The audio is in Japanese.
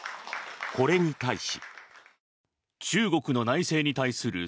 これに対し。